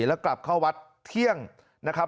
แล้วกลับเข้าวัดเที่ยงนะครับ